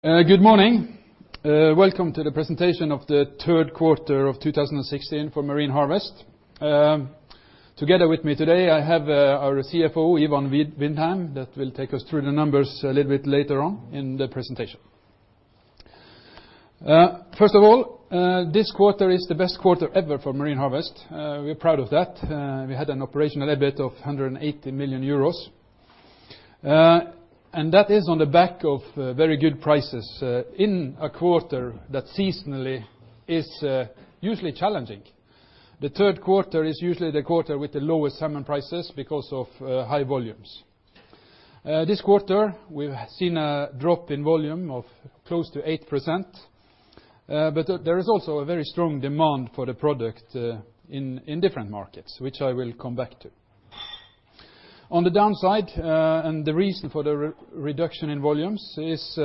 Good morning. Welcome to the presentation of the third quarter of 2016 for Marine Harvest. Together with me today, I have our CFO, Ivan Vindheim, that will take us through the numbers a little bit later on in the presentation. First of all, this quarter is the best quarter ever for Marine Harvest. We're proud of that. We had an operational EBIT of 180 million euros. That is on the back of very good prices in a quarter that seasonally is usually challenging. The third quarter is usually the quarter with the lowest salmon prices because of high volumes. This quarter we've seen a drop in volume of close to 8%, but there is also a very strong demand for the product in different markets, which I will come back to. On the downside, the reason for the reduction in volumes is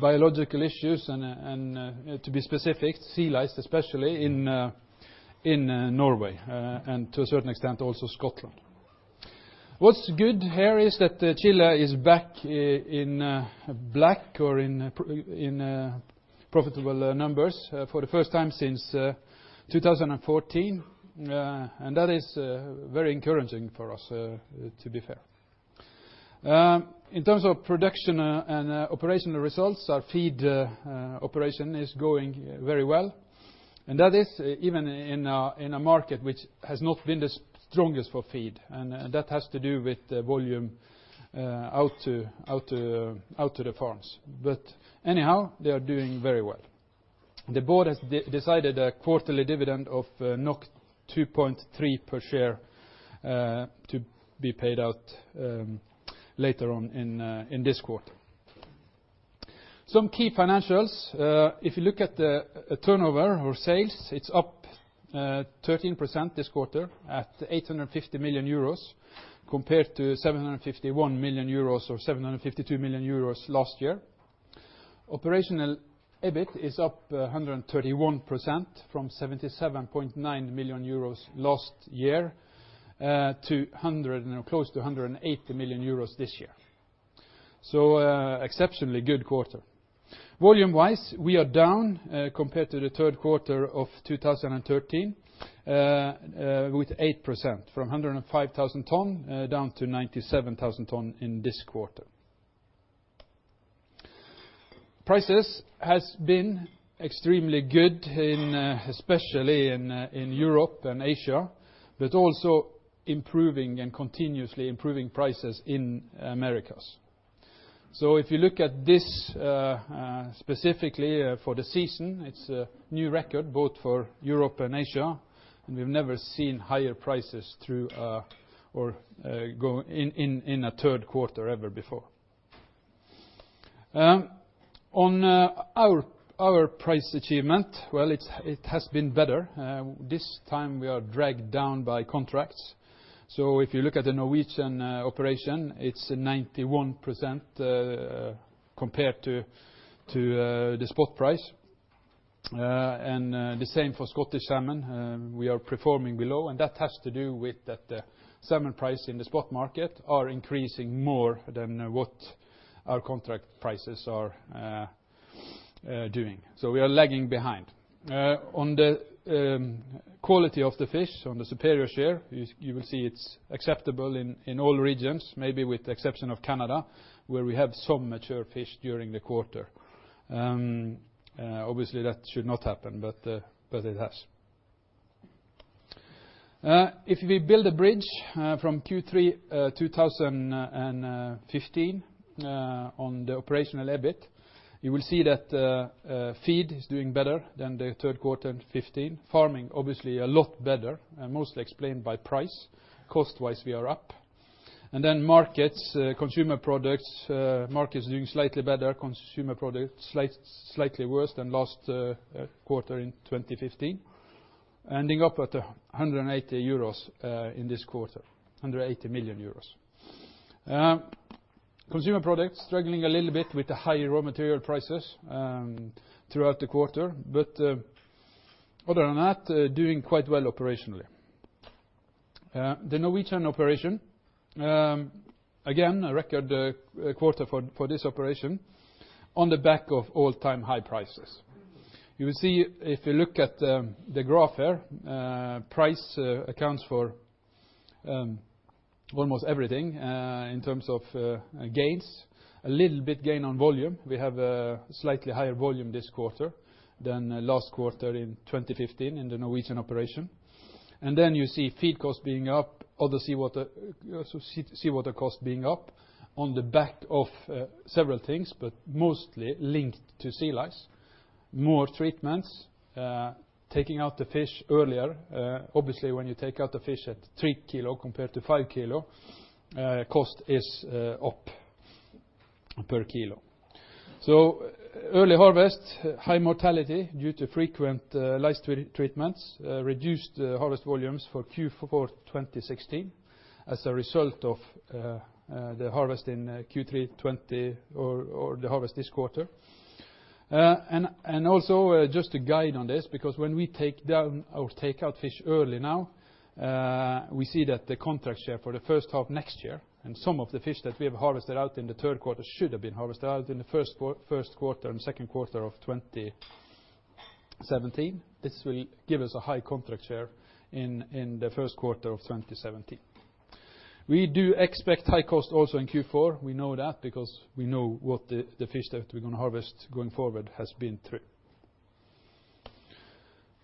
biological issues and to be specific, sea lice, especially in Norway and to a certain extent, also Scotland. What's good here is that Chile is back in black or in profitable numbers for the first time since 2014, that is very encouraging for us, to be fair. In terms of production and operational results, our feed operation is going very well, that is even in a market which has not been the strongest for feed, that has to do with the volume out to the farms. Anyhow, they are doing very well. The board has decided a quarterly dividend of 2.3 per share to be paid out later on in this quarter. Some key financials. If you look at the turnover or sales, it's up 13% this quarter at 850 million euros compared to 751 million euros or 752 million euros last year. Operational EBIT is up 131% from 77.9 million euros last year to close to 180 million euros this year. Exceptionally good quarter. Volume wise, we are down compared to the third quarter of 2013 with 8% from 105,000 tons down to 97,000 tons in this quarter. Prices has been extremely good especially in Europe than Asia, but also improving and continuously improving prices in Americas. If you look at this specifically for the season, it's a new record both for Europe and Asia, and we've never seen higher prices in a third quarter ever before. On our price achievement, well, it has been better. This time we are dragged down by contracts. If you look at the Norwegian operation, it's 91% compared to the spot price. The same for Scottish salmon, we are performing below, and that has to do with that the salmon price in the spot market are increasing more than what our contract prices are doing, so we are lagging behind. On the quality of the fish, on the superior share, you will see it's acceptable in all regions, maybe with the exception of Canada, where we had some mature fish during the quarter. Obviously, that should not happen, but it has. If we build a bridge from Q3 2015 on the operational EBIT, you will see that feed is doing better than the third quarter in 2015. Farming, obviously a lot better and mostly explained by price. Cost-wise, we are up. Markets, consumer products. Markets are doing slightly better. Consumer products, slightly worse than last quarter in 2015, ending up at 180 euros in this quarter, 180 million euros. Consumer products struggling a little bit with the higher raw material prices throughout the quarter, other than that, doing quite well operationally. The Norwegian operation again, a record quarter for this operation on the back of all-time high prices. You will see if you look at the graph here, price accounts for almost everything in terms of gains. A little bit gain on volume. We have a slightly higher volume this quarter than last quarter in 2015 in the Norwegian operation. You see feed costs being up, seawater costs being up on the back of several things, mostly linked to sea lice. More treatments, taking out the fish earlier. Obviously, when you take out the fish at 3 kilo compared to 5 kilo, cost is up per kilo. Early harvest, high mortality due to frequent lice treatments reduced the harvest volumes for Q4 2016 as a result of the harvest in Q3 2016 or the harvest this quarter. Also just a guide on this, because when we take down our takeout fish early now, we see that the contract share for the first half next year and some of the fish that we have harvested out in the third quarter should have been harvested out in the first quarter and second quarter of 2017. This will give us a high contract share in the first quarter of 2017. We do expect high cost also in Q4. We know that because we know what the fish that we're going to harvest going forward has been through.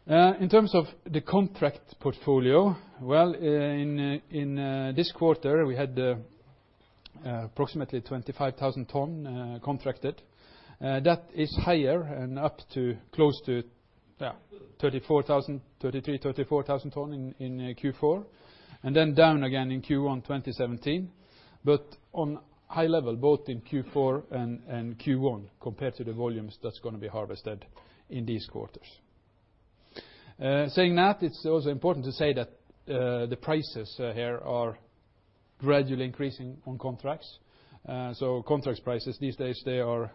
In terms of the contract portfolio, well, in this quarter we had approximately 25,000 ton contracted. That is higher and up to close to 33,000, 34,000 ton in Q4, then down again in Q1 2017, but on high level both in Q4 and Q1 compared to the volumes that's going to be harvested in these quarters. Saying that, it's also important to say that the prices here are gradually increasing on contracts. Contract prices these days, they are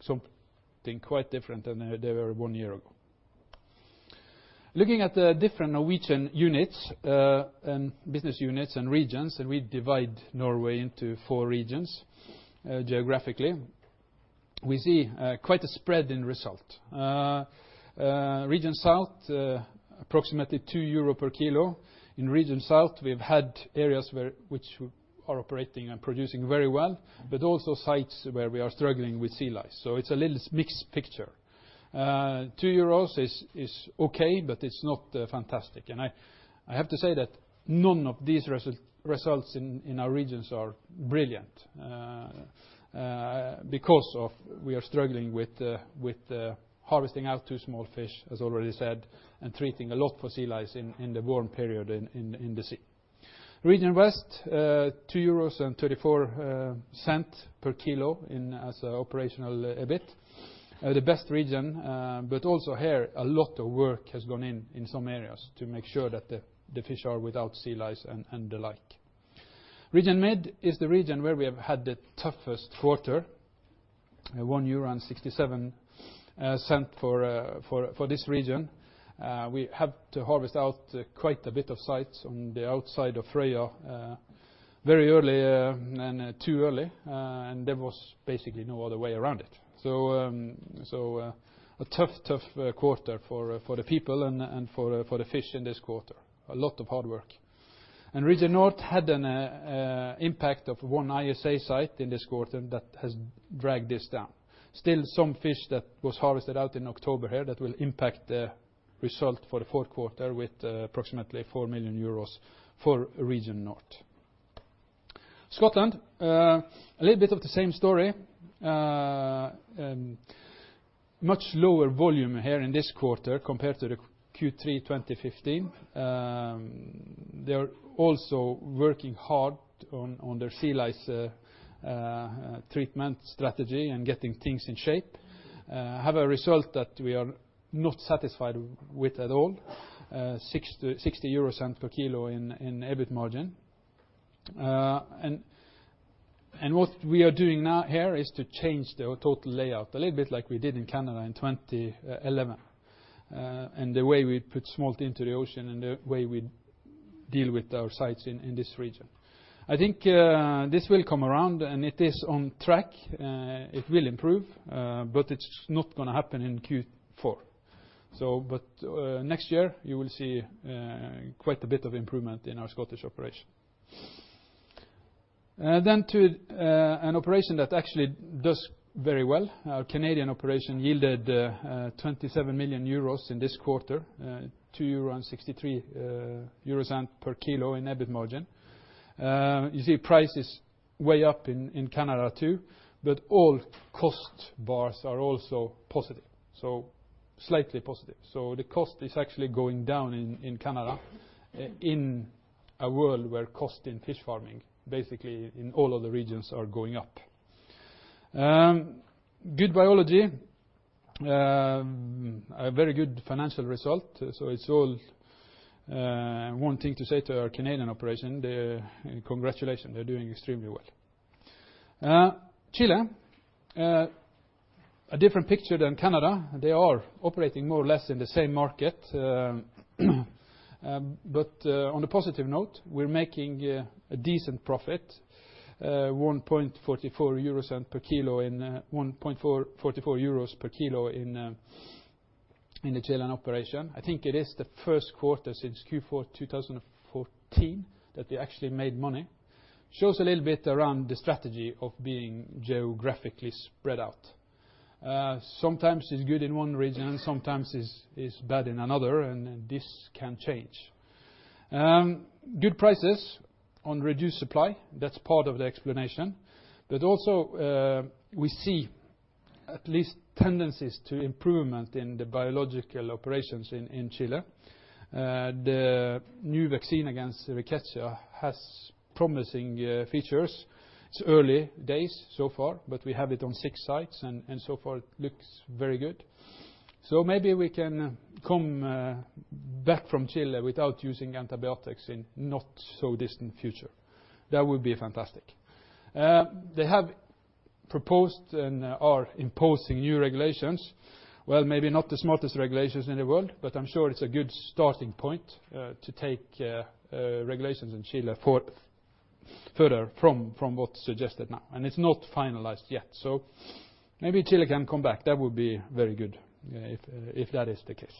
something quite different than they were one year ago. Looking at the different Norwegian units and business units and regions, we divide Norway into four regions geographically. We see quite a spread in result. Region South, approximately 2 euro per kilo. In Region South, we've had areas which are operating and producing very well, but also sites where we are struggling with sea lice. It's a little mixed picture. 2 euros is okay, but it's not fantastic. I have to say that none of these results in our regions are brilliant because we are struggling with harvesting out too small fish, as already said, and treating a lot for sea lice in the warm period in the sea. Region West, 2.34 euros per kilo as operational EBIT. The best region, but also here, a lot of work has gone in some areas to make sure that the fish are without sea lice and the like. Region Mid is the region where we have had the toughest quarter, 1.67 euro for this region. We had to harvest out quite a bit of sites on the outside of Frøya very early and too early. There was basically no other way around it. A tough quarter for the people and for the fish in this quarter. A lot of hard work. Region North had an impact of one ISA site in this quarter that has dragged this down. Still some fish that was harvested out in October here that will impact the result for the fourth quarter with approximately 4 million euros for Region North. Scotland, a little bit of the same story. Much lower volume here in this quarter compared to the Q3 2015. They're also working hard on their sea lice treatment strategy and getting things in shape. Have a result that we are not satisfied with at all, 0.60 euros per kilo in EBIT margin. What we are doing now here is to change the total layout a little bit like we did in Canada in 2011, and the way we put smolt into the ocean and the way we deal with our sites in this region. I think this will come around and it is on track. It will improve but it's not going to happen in Q4. Next year you will see quite a bit of improvement in our Scottish operation. To an operation that actually does very well. Our Canadian operation yielded 27 million euros in this quarter, 2.63 euros per kilo in EBIT margin. You see prices way up in Canada, too, but all cost bars are also positive, so slightly positive. The cost is actually going down in Canada in a world where cost in fish farming basically in all other regions are going up. Good biology, a very good financial result. It's all one thing to say to our Canadian operation, congratulations, they're doing extremely well. Chile, a different picture than Canada. They are operating more or less in the same market. On a positive note, we're making a decent profit, 1.44 euros per kilo in the Chile operation. I think it is the first quarter since Q4 2014 that they actually made money. Shows a little bit around the strategy of being geographically spread out. Sometimes it's good in one region, sometimes it's bad in another, and this can change. Good prices on reduced supply. That's part of the explanation. Also we see at least tendencies to improvement in the biological operations in Chile. The new vaccine against rickettsia has promising features. It's early days so far, but we have it on six sites and so far it looks very good. Maybe we can come back from Chile without using antibiotics in not so distant future. That would be fantastic. They have proposed and are imposing new regulations. Maybe not the smartest regulations in the world, but I'm sure it's a good starting point to take regulations in Chile further from what's suggested now, and it's not finalized yet. Maybe Chile can come back. That would be very good if that is the case.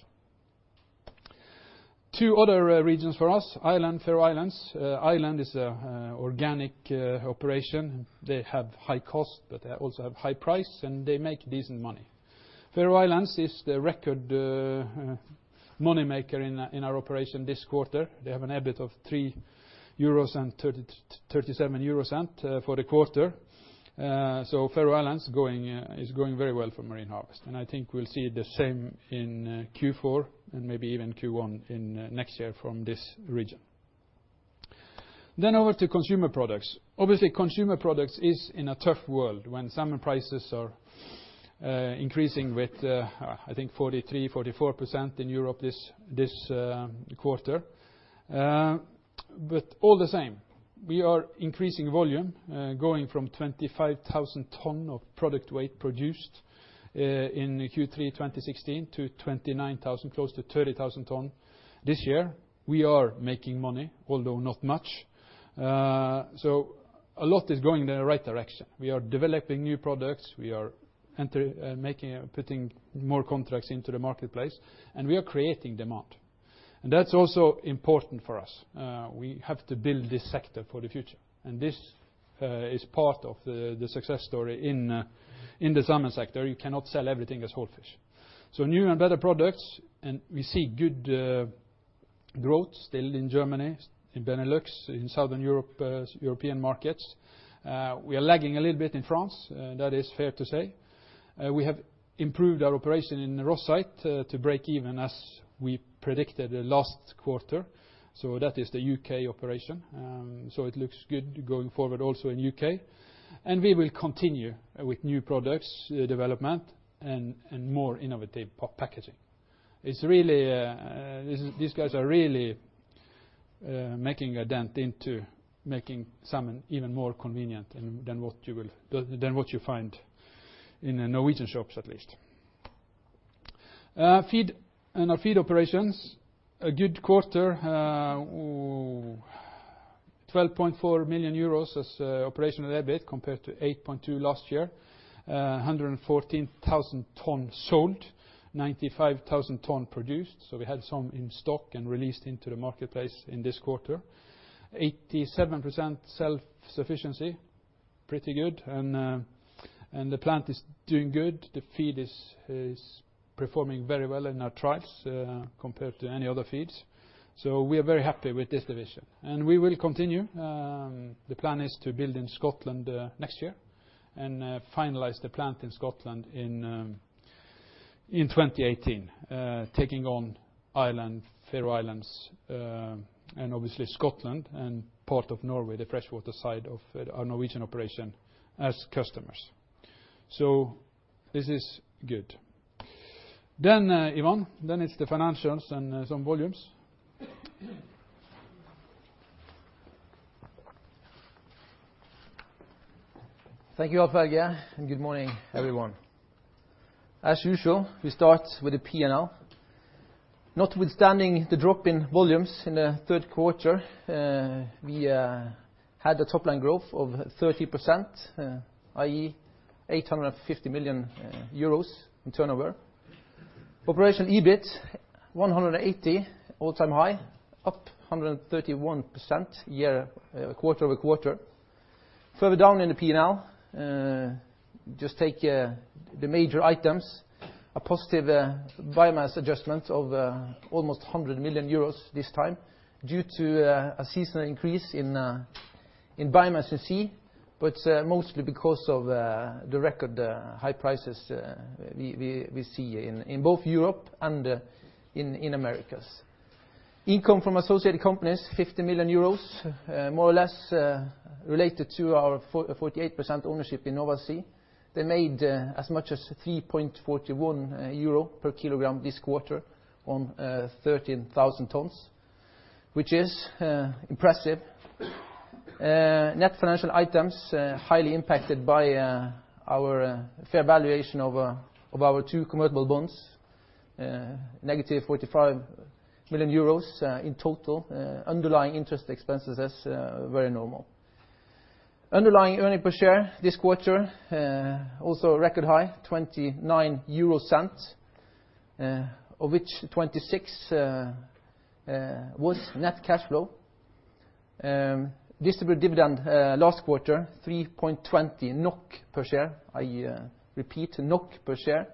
Two other regions for us, Ireland, Faroe Islands. Ireland is an organic operation. They have high cost, but they also have high price, and they make decent money. Faroe Islands is the record money maker in our operation this quarter. They have an EBIT of 3.37 euros for the quarter. Faroe Islands is going very well for Marine Harvest, and I think we'll see the same in Q4 and maybe even Q1 in next year from this region. Over to consumer products. Obviously, consumer products is in a tough world when salmon prices are increasing with, I think, 43%, 44% in Europe this quarter. All the same, we are increasing volume, going from 25,000 tons of product weight produced in Q3 2016 to 29,000, close to 30,000 tons this year. We are making money, although not much. A lot is going in the right direction. We are developing new products. We are putting more contracts into the marketplace, and we are creating demand. That's also important for us. We have to build this sector for the future, and this is part of the success story in the salmon sector. You cannot sell everything as whole fish. New and better products, and we see good growth still in Germany, in Benelux, in Southern European markets. We are lagging a little bit in France. That is fair to say. We have improved our operation in Rosyth to break even as we predicted the last quarter. That is the U.K. operation. It looks good going forward also in U.K. We will continue with new products development and more innovative packaging. These guys are really making a dent into making salmon even more convenient than what you find in Norwegian shops, at least. Our feed operations, a good quarter, 12.4 million euros as operational EBIT compared to 8.2 last year. 114,000 ton sold, 95,000 ton produced. We had some in stock and released into the marketplace in this quarter. 87% self-sufficiency, pretty good, and the plant is doing good. The feed is performing very well in our trials compared to any other feeds. We are very happy with this division. We will continue. The plan is to build in Scotland next year and finalize the plant in Scotland in 2018, taking on Ireland, Faroe Islands, and obviously Scotland and part of Norway, the freshwater side of our Norwegian operation as customers. This is good. Ivan, then it's the financials and some volumes. Thank you, Alf-Helge, and good morning, everyone. As usual, we start with the P&L. Notwithstanding the drop in volumes in the third quarter, we had a top-line growth of 30%, i.e., 850 million euros in turnover. Operational EBIT, 180 million, all-time high, up 131% quarter-over-quarter. Further down in the P&L, just take the major items, a positive biomass adjustment of almost 100 million euros this time due to a seasonal increase in biomass in sea, mostly because of the record high prices we see in both Europe and in Americas. Income from associated companies, 50 million euros, more or less related to our 48% ownership in Nova Sea. They made as much as 3.41 euro per kilogram this quarter on 13,000 tons, which is impressive. Net financial items, highly impacted by our fair valuation of our two convertible bonds, negative 45 million euros in total. Underlying interest expenses, that's very normal. Underlying earnings per share this quarter, also a record high, 0.29, of which 0.26 was net cash flow. Distributable dividend last quarter, 3.20 NOK per share. I repeat, NOK per share,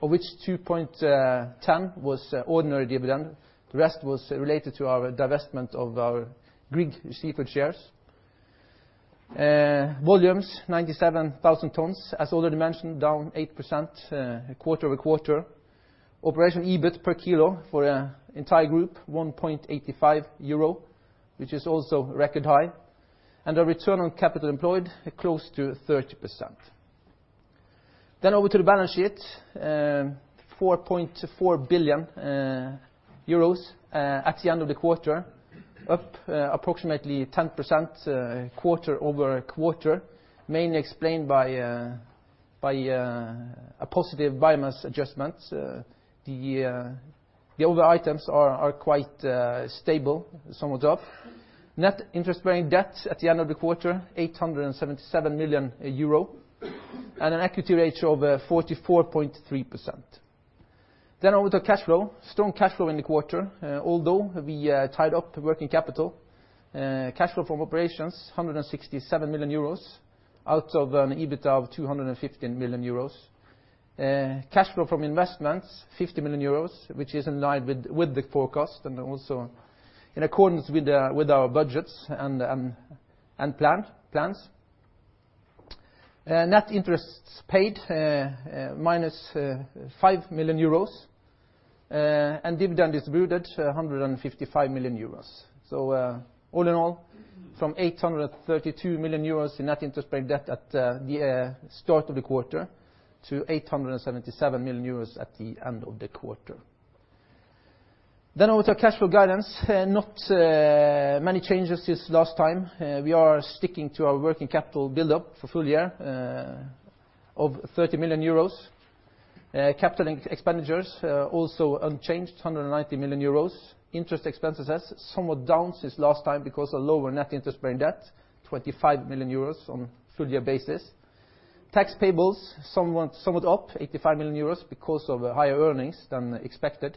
of which 2.10 was ordinary dividend. The rest was related to our divestment of our Grieg Seafood shares. Volumes, 97,000 tons, as already mentioned, down 8% quarter-over-quarter. Operational EBIT per kilo for the entire group, 1.85 euro, which is also record high. Our return on capital employed, close to 30%. Over to the balance sheet, 4.4 billion euros at the end of the quarter, up approximately 10% quarter-over-quarter, mainly explained by a positive biomass adjustment. The other items are quite stable, somewhat up. Net interest-bearing debt at the end of the quarter, 877 million euro, and an equity ratio of 44.3%. Over to cash flow. Strong cash flow in the quarter, although we tied up the working capital. Cash flow from operations, 167 million euros, out of an EBITA of 215 million euros. Cash flow from investments, 50 million euros, which is in line with the forecast, and also in accordance with our budgets and plans. Net interests paid, minus 5 million euros, and dividend distributed, 155 million euros. All in all, from 832 million euros in net interest-bearing debt at the start of the quarter to 877 million euros at the end of the quarter. Over to cash flow guidance. Not many changes since last time. We are sticking to our working capital buildup for full year of 30 million euros. Capital expenditures also unchanged, 190 million euros. Interest expenses, somewhat down since last time because of lower net interest-bearing debt, 25 million euros on full-year basis. Tax payables, somewhat up, 85 million euros because of higher earnings than expected.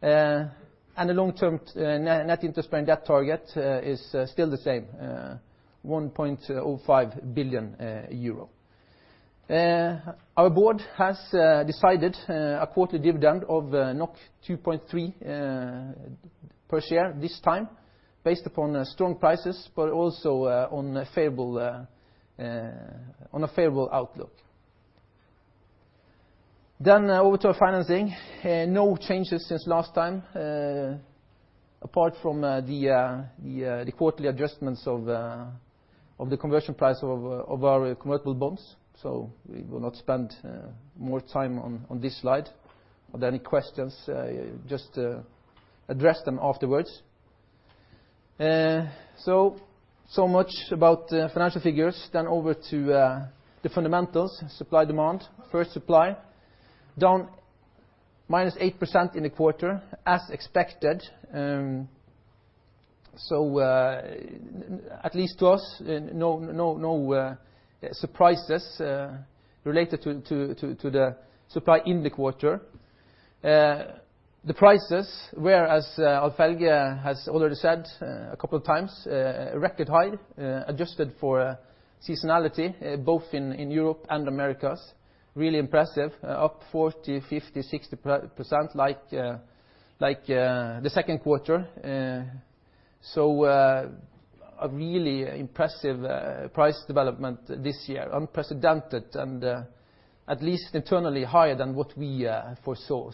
The long-term net interest-bearing debt target is still the same, 1.05 billion euro. Our board has decided a quarterly dividend of 2.3 per share this time, based upon strong prices, but also on a favorable outlook. Over to our financing. No changes since last time, apart from the quarterly adjustments of the conversion price of our convertible bonds. We will not spend more time on this slide. Are there any questions, just address them afterwards. Much about financial figures. Over to the fundamentals, supply, demand. First supply, down -8% in the quarter, as expected. At least to us, no surprises related to the supply in the quarter. The prices were, as Alf-Helge has already said a couple of times, a record high, adjusted for seasonality, both in Europe and Americas. Really impressive. Up 40%, 50%, 60% like the second quarter. A really impressive price development this year, unprecedented, and at least internally higher than what we foresaw.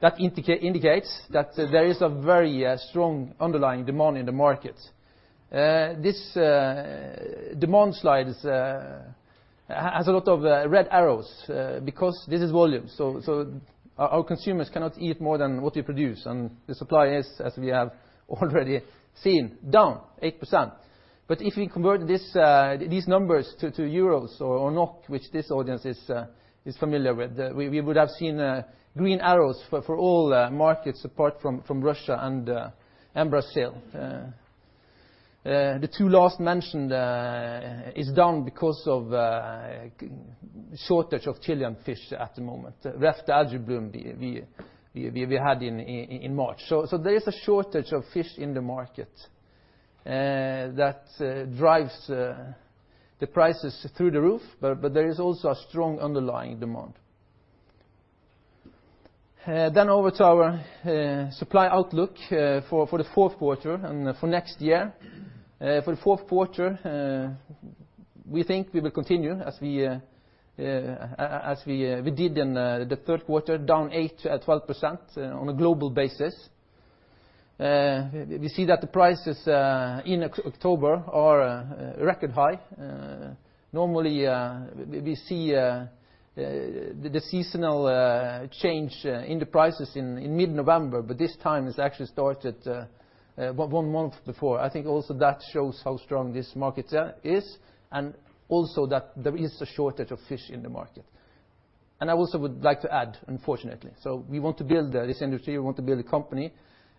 That indicates that there is a very strong underlying demand in the market. This demand slide has a lot of red arrows because this is volume, so our consumers cannot eat more than what we produce, and the supply is, as we have already seen, down 8%. If we convert these numbers to euros or NOK, which this audience is familiar with, we would have seen green arrows for all markets apart from Russia and Brazil. The two last mentioned is down because of a shortage of Chilean fish at the moment. Rough algae bloom we had in March. There is a shortage of fish in the market. That drives the prices through the roof, but there is also a strong underlying demand. Over to our supply outlook for the fourth quarter and for next year. For the fourth quarter, we think we will continue as we did in the third quarter, down 8%-12% on a global basis. We see that the prices in October are a record high. Normally, we see the seasonal change in the prices in mid-November, but this time it's actually started one month before. I think also that shows how strong this market is, and also that there is a shortage of fish in the market. I also would like to add, unfortunately, we want to build this industry, we want to build a company,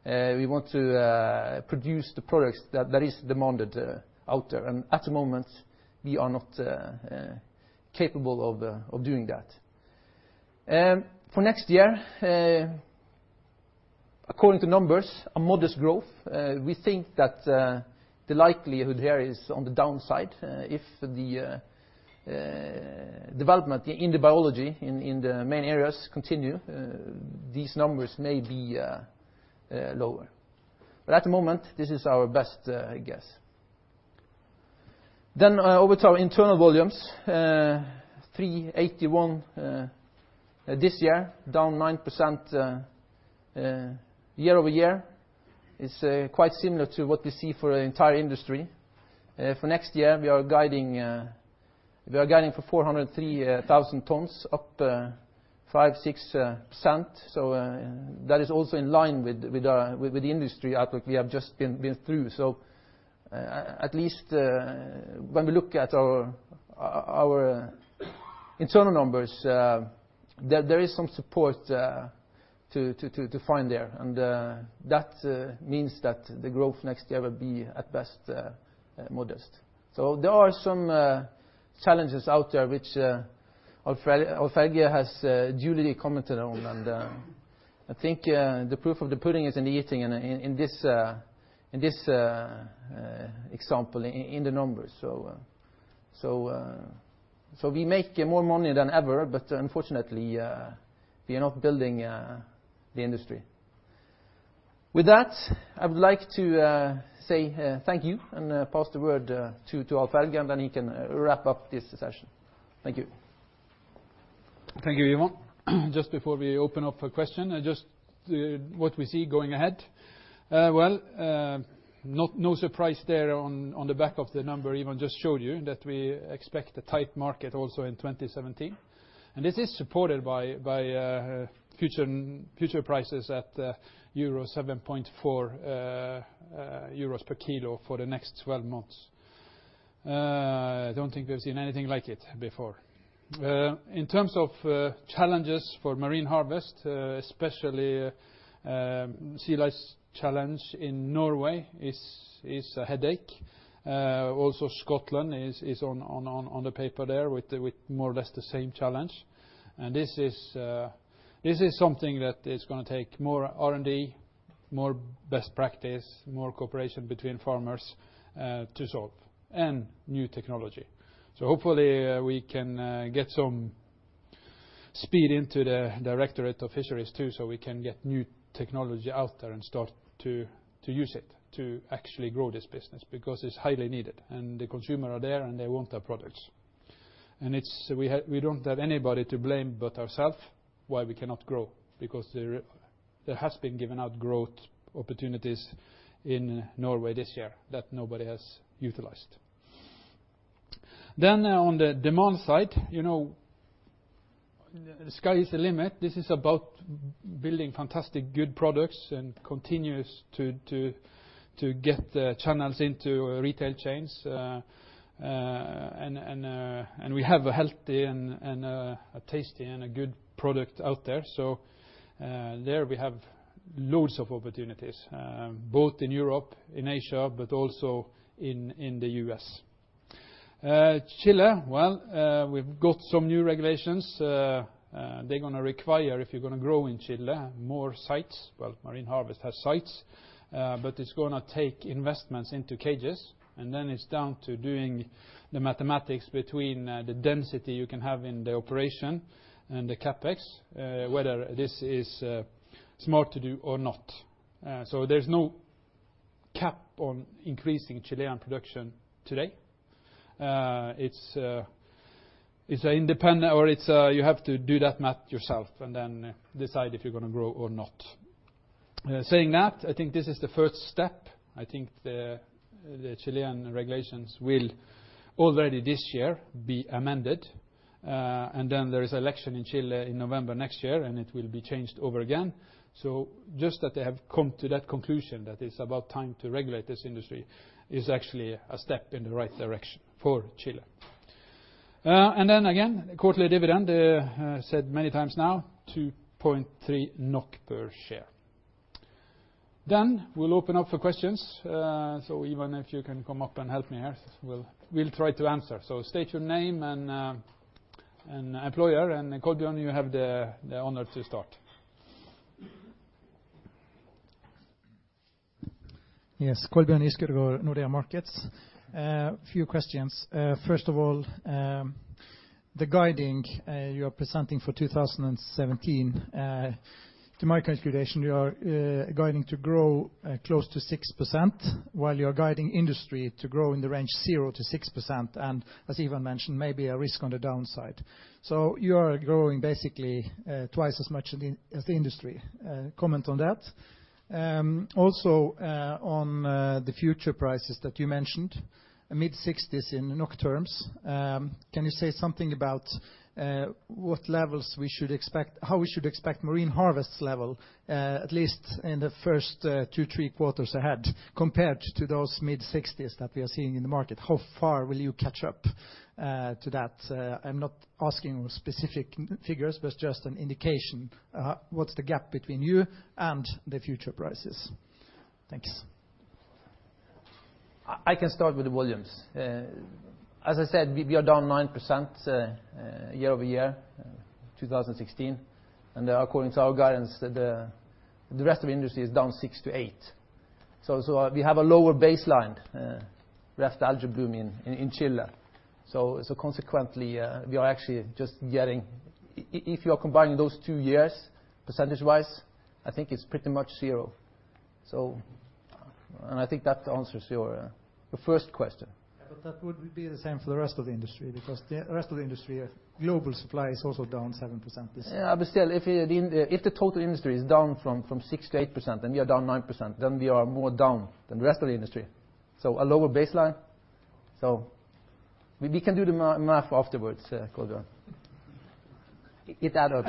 we want to produce the products that is demanded out there, and at the moment, we are not capable of doing that. For next year, according to numbers, a modest growth. We think that the likelihood here is on the downside. If the development in the biology in the main areas continue, these numbers may be lower. At the moment, this is our best guess. Over to our internal volumes. 381 this year, down 9% year-over-year. It's quite similar to what we see for the entire industry. For next year, we are guiding for 403,000 tons up 5%, 6%. That is also in line with the industry output we have just been through. At least when we look at our internal numbers there is some support to find there and that means that the growth next year will be at best modest. There are some challenges out there which Alf-Helge Aarskog has duly commented on and I think the proof of the pudding is in the eating and in this example in the numbers. We make more money than ever but unfortunately we are not building the industry. With that I would like to say thank you and pass the word to Alf-Helge Aarskog and then he can wrap up this session. Thank you. Thank you Ivan. Just before we open up for question and just what we see going ahead. Well, no surprise there on the back of the number Ivan just showed you that we expect a tight market also in 2017 and this is supported by future prices at 7.4 euros per kilo for the next 12 months. I don't think I've seen anything like it before. In terms of challenges for Marine Harvest especially sea lice challenge in Norway is a headache. Scotland is on the paper there with more or less the same challenge and this is something that is going to take more R&D, more best practice, more cooperation between farmers to solve and new technology. Hopefully we can get some speed into the Directorate of Fisheries too so we can get new technology out there and start to use it to actually grow this business because it's highly needed and the consumer are there and they want our products. We don't have anybody to blame but ourself why we cannot grow because there has been given out growth opportunities in Norway this year that nobody has utilized. On the demand side, the sky is the limit. This is about building fantastic good products and continues to get the channels into retail chains and we have a healthy and a tasty and a good product out there. There we have loads of opportunities both in Europe, in Asia but also in the U.S. Chile, well, we've got some new regulations. They're going to require if you're going to grow in Chile more sites. Well, Marine Harvest has sites but it's going to take investments into cages and then it's down to doing the mathematics between the density you can have in the operation and the CapEx whether this is smart to do or not. There's no cap on increasing Chilean production today. You have to do that math yourself and then decide if you're going to grow or not. Saying that, I think this is the first step. I think the Chilean regulations will already this year be amended and then there's election in Chile in November next year and it will be changed over again. Just that they have come to that conclusion that it's about time to regulate this industry is actually a step in the right direction for Chile. Again, quarterly dividend said many times now 2.3 NOK per share. We'll open up for questions. Ivan, if you can come up and help me here, we'll try to answer. State your name and employer, and Kolbjørn, you have the honor to start. Yes. Kolbjørn Giskeødegård, Nordea Markets. Few questions. First of all the guiding you are presenting for 2017. To my calculation you are guiding to grow close to 6% while you are guiding industry to grow in the range 0% to 6%. As Ivan mentioned maybe a risk on the downside. You are growing basically twice as much as the industry. Comment on that. Also on the future prices that you mentioned mid-sixties in NOK terms. Can you say something about how we should expect Marine Harvest level at least in the first two, three quarters ahead compared to those mid-sixties that we are seeing in the market? How far will you catch up to that? I'm not asking specific figures but just an indication. What's the gap between you and the future prices? Thanks. I can start with the volumes. As I said we are down 9% year-over-year 2016 and according to our guidance the rest of industry is down 6% to 8%. We have a lower baseline, less algae bloom in Chile. If you are combining those two years percentage wise I think it's pretty much zero. I think that answers your first question. That would be the same for the rest of the industry, because the rest of industry global supply is also down 7%. Still, if the total industry is down from 6%-8% and you're down 9%, we are more down than the rest of the industry. A lower baseline. We can do the math afterwards, Kolbjorn. Get that out.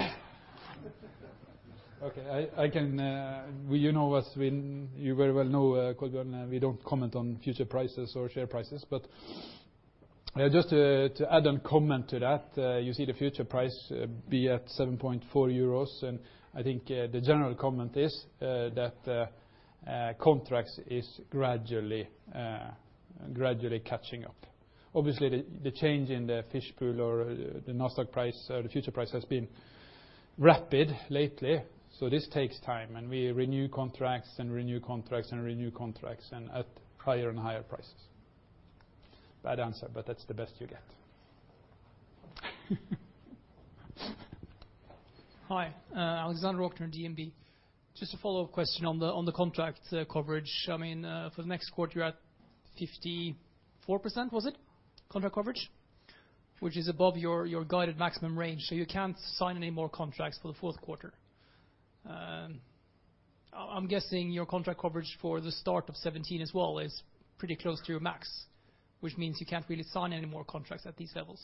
You very well know, Kolbjorn, we don't comment on future prices or share prices. Just to add on comment to that, you see the future price be at 7.4 euros. I think the general comment is that contracts is gradually catching up. Obviously, the change in the Fish Pool or the NASDAQ price, the future price has been rapid lately. This takes time. We renew contracts and renew contracts and renew contracts and at higher and higher prices. Bad answer. That's the best you get. Hi. Alexandra Rokne, DNB. Just a follow-up question on the contract coverage. For the next quarter, you're at 54%, was it? Contract coverage. Which is above your guided maximum range, so you can't sign any more contracts for the fourth quarter. I'm guessing your contract coverage for the start of 2017 as well is pretty close to your max, which means you can't really sign any more contracts at these levels.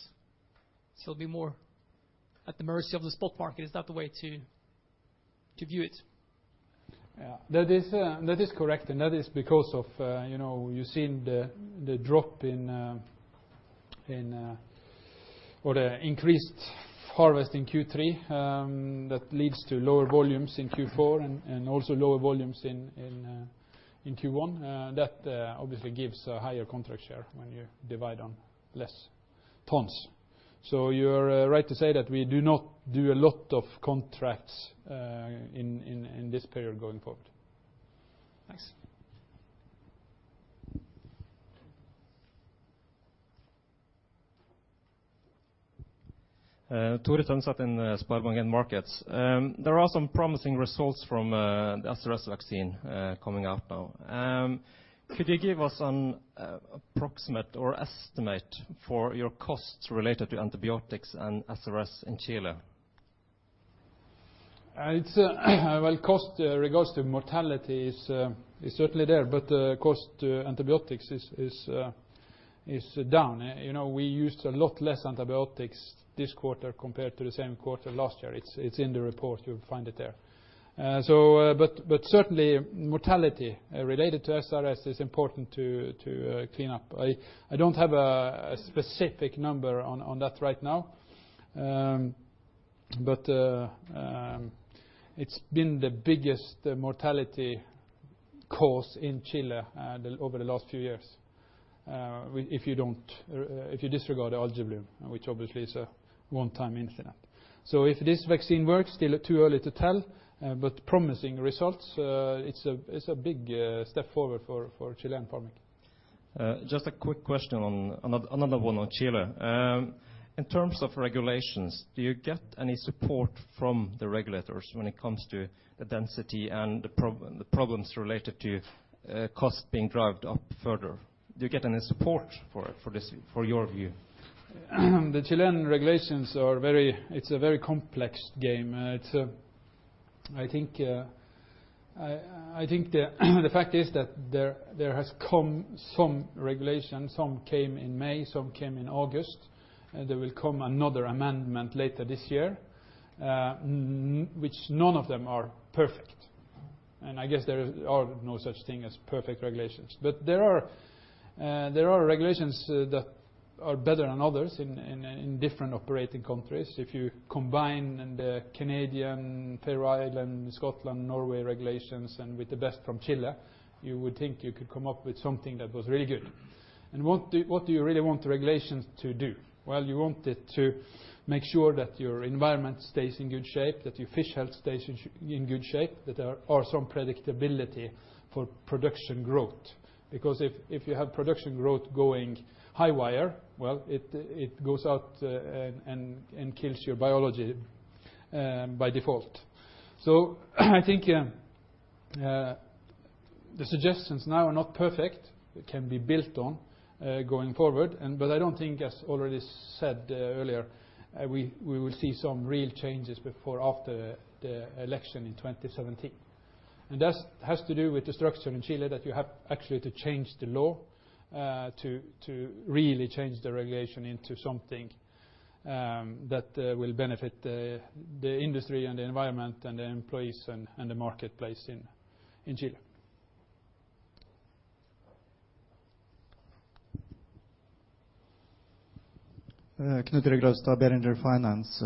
Be more at the mercy of the stock market. Is that the way to view it? That is correct. That is because of you're seeing the drop in or increased harvest in Q3 that leads to lower volumes in Q4 and also lower volumes in Q1. That obviously gives a higher contract share when you divide on less tons. You're right to say that we do not do a lot of contracts in this period going forward. Thanks. Tori Samsak in SpareBank 1 Markets. There are some promising results from the SRS vaccine coming out now. Could you give us an approximate or estimate for your costs related to antibiotics and SRS in Chile? Cost regards to mortality is certainly there, but cost antibiotics is down. We used a lot less antibiotics this quarter compared to the same quarter last year. It's in the report, you'll find it there. Certainly mortality related to SRS is important to clean up. I don't have a specific number on that right now. It's been the biggest mortality cause in Chile over the last few years if you disregard algae bloom, which obviously is a one-time incident. If this vaccine works, still too early to tell, but promising results. It's a big step forward for Chilean farming. Just a quick question, another one on Chile. In terms of regulations, do you get any support from the regulators when it comes to the density and the problems related to cost being dragged up further? Do you get any support for your view? The Chilean regulations, it's a very complex game. The fact is that there has come some regulations. Some came in May, some came in August, and there will come another amendment later this year, which none of them are perfect. I guess there are no such thing as perfect regulations. There are regulations that are better than others in different operating countries. If you combine the Canadian, Faroe Islands, Scotland, Norway regulations, and with the best from Chile, you would think you could come up with something that was really good. What do you really want the regulations to do? Well, you want it to make sure that your environment stays in good shape, that your fish health stays in good shape, that there are some predictability for production growth. If you have production growth going high wire, well, it goes out and kills your biology by default. I think the suggestions now are not perfect. It can be built on going forward, but I don't think, as already said earlier, we will see some real changes before or after the election in 2017. That has to do with the structure in Chile that you have actually to change the law to really change the regulation into something that will benefit the industry and the environment and the employees and the marketplace in Chile. Knut Rygh Staal, Berenberg Finance.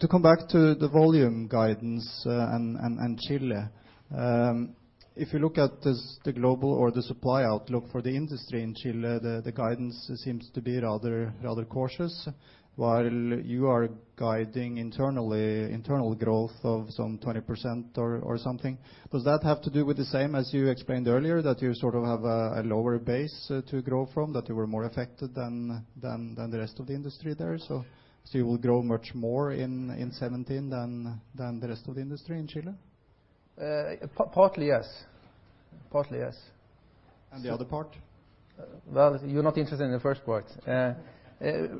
To come back to the volume guidance and Chile. If you look at the global or the supply outlook for the industry in Chile, the guidance seems to be rather cautious while you are guiding internal growth of some 20% or something. Does that have to do with the same as you explained earlier that you sort of have a lower base to grow from, that you were more affected than the rest of the industry there? You will grow much more in 2017 than the rest of the industry in Chile? Partly, yes. The other part? You're not interested in the first part.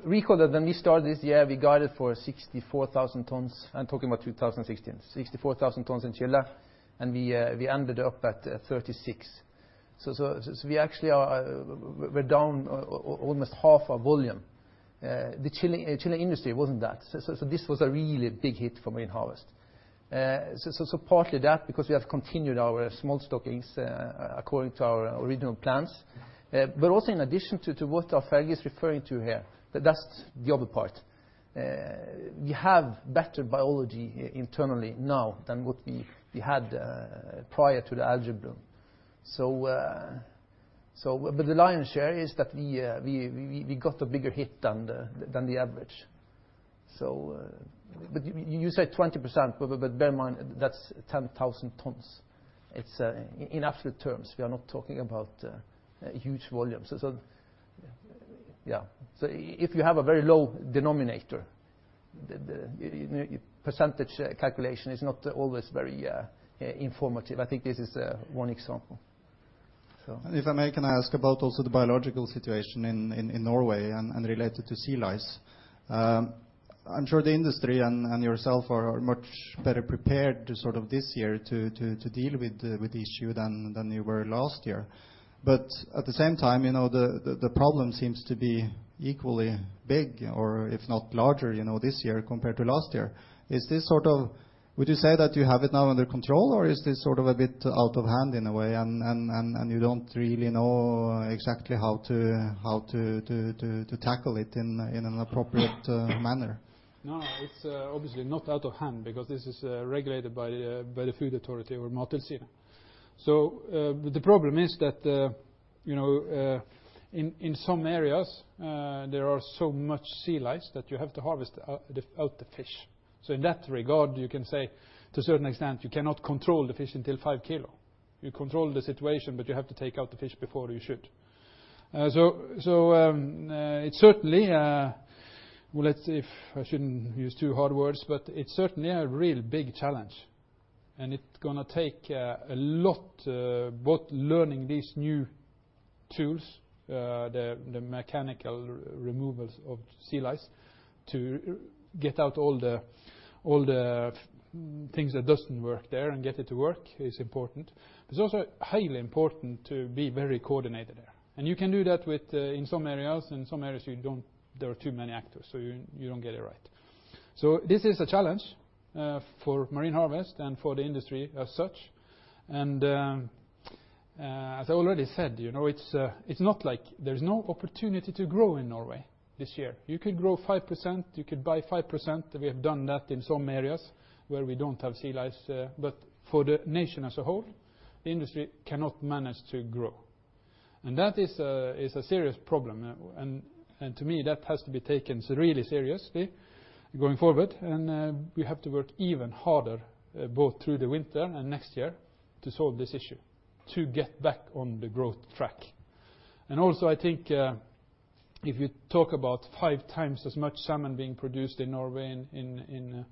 Recall that when we started this year, we guided for 64,000 tonnes. I'm talking about 2016. 64,000 tonnes in Chile, and we ended up at 36. We actually were down almost half our volume. The Chile industry wasn't that. This was a really big hit for Marine Harvest. Partly that because we have continued our smolt stockings according to our original plans. Also in addition to what Alf-Helge is referring to here, that's the other part. We have better biology internally now than what we had prior to the algae bloom. The lion's share is that we got a bigger hit than the average. You say 20%, but bear in mind that's 10,000 tonnes. In absolute terms, we are not talking about huge volumes. If you have a very low denominator, the percentage calculation is not always very informative. I think this is one example. If I can ask about also the biological situation in Norway and related to sea lice. I'm sure the industry and yourself are much better prepared this year to deal with the issue than you were last year. At the same time, the problem seems to be equally big or if not larger, this year compared to last year. Would you say that you have it now under control or is this a bit out of hand in a way and you don't really know exactly how to tackle it in an appropriate manner? It's obviously not out of hand because this is regulated by the Food Authority or Mattilsynet. The problem is that in some areas, there are so much sea lice that you have to harvest out the fish. In that regard, you can say to a certain extent, you cannot control the fish until 5 kilo. You control the situation, but you have to take out the fish before you should. I shouldn't use too hard words, but it's certainly a real big challenge, and it's going to take a lot, both learning these new tools, the mechanical removals of sea lice to get out all the things that doesn't work there and get it to work is important. It's also highly important to be very coordinated there. You can do that in some areas, in some areas there are too many actors. You don't get it right. This is a challenge for Marine Harvest and for the industry as such. As I already said, there's no opportunity to grow in Norway this year. You could grow 5%, you could buy 5%, we have done that in some areas where we don't have sea lice. For the nation as a whole, the industry cannot manage to grow. That is a serious problem. To me, that has to be taken really seriously going forward. We have to work even harder, both through the winter and next year to solve this issue, to get back on the growth track. Also I think if you talk about five times as much salmon being produced in Norway in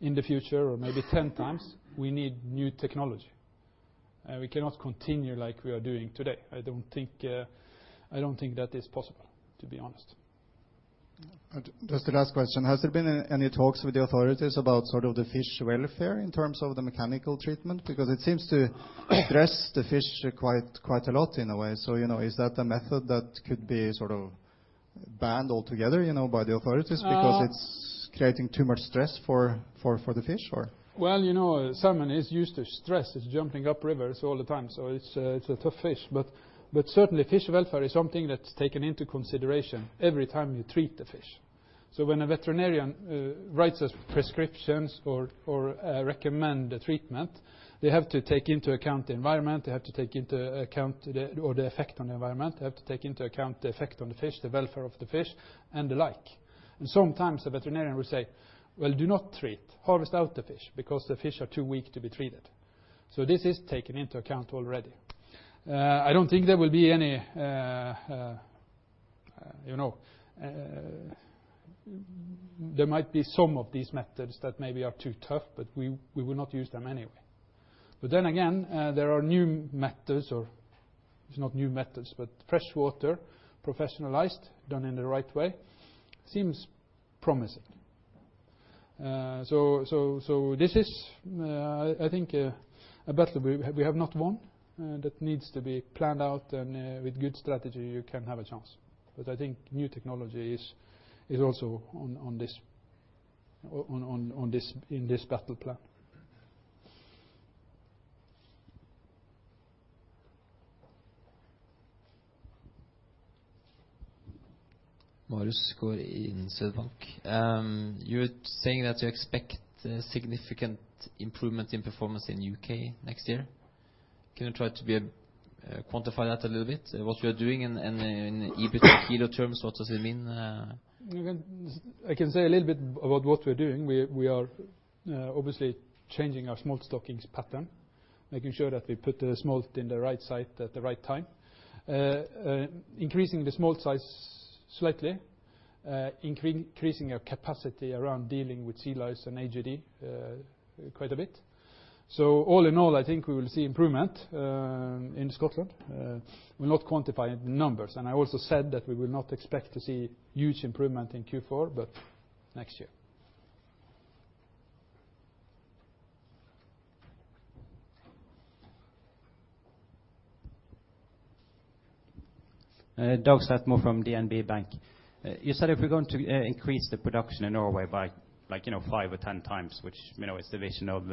the future or maybe 10 times, we need new technology, and we cannot continue like we are doing today. I don't think that is possible, to be honest. Just a last question. Has there been any talks with the authorities about the fish welfare in terms of the mechanical treatment? Because it seems to stress the fish quite a lot in a way. Is that a method that could be banned altogether by the authorities because it's creating too much stress for the fish? Well, salmon is used to stress. It's jumping up rivers all the time, so it's a tough fish. Certainly fish welfare is something that's taken into consideration every time you treat the fish. When a veterinarian writes us prescriptions or recommend a treatment, they have to take into account the environment. They have to take into account the effect on the environment. They have to take into account the effect on the fish, the welfare of the fish, and the like. Sometimes the veterinarian will say, "Well, do not treat. Harvest out the fish because the fish are too weak to be treated." This is taken into account already. There might be some of these methods that maybe are too tough, but we will not use them anyway. Again, there are new methods or it's not new methods, but freshwater professionalized done in the right way seems promising. This is I think a battle we have not won that needs to be planned out and with good strategy you can have a chance. I think new technology is also in this battle plan. Marius Goya in SEB. You're saying that you expect a significant improvement in performance in U.K. next year. Can you try to quantify that a little bit? What we are doing and in EBIT terms, what does it mean? I can say a little bit about what we're doing. We are obviously changing our smolt stocking pattern, making sure that we put the smolt in the right site at the right time. Increasing the smolt size slightly, increasing our capacity around dealing with sea lice and AGD quite a bit. All in all, I think we will see improvement in Scotland. We'll not quantify the numbers, and I also said that we will not expect to see huge improvement in Q4, but next year. Dag Sletmo from DNB Bank. You said if we're going to increase the production in Norway by 5 or 10 times, which is the vision of,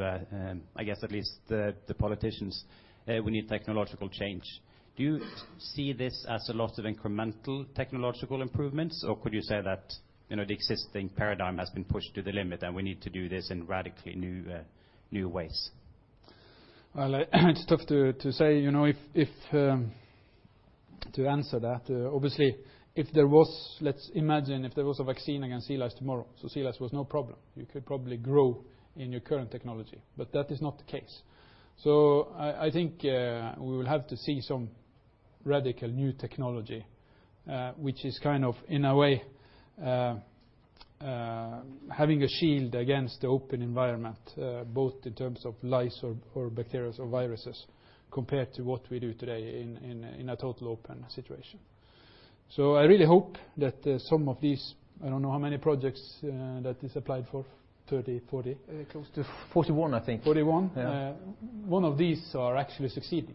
I guess, at least the politicians, we need technological change. Do you see this as a lot of incremental technological improvements, or could you say that the existing paradigm has been pushed to the limit and we need to do this in radically new ways? Well, it's tough to say. To answer that, obviously, let's imagine if there was a vaccine against sea lice tomorrow, so sea lice was no problem. You could probably grow in your current technology, but that is not the case. I think we would have to see some radical new technology, which is kind of, in a way, having a shield against the open environment both in terms of lice or bacteria or viruses, compared to what we do today in a total open situation. I really hope that some of these, I don't know how many projects that is applied for, 30, 40? Close to 41, I think. Forty-one? Yeah. One of these are actually succeeding.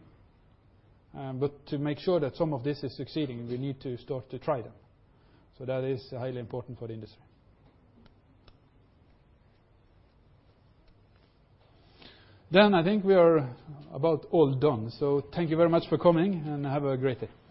To make sure that some of this is succeeding, we need to start to try them. That is highly important for the industry. I think we are about all done. Thank you very much for coming, and have a great day.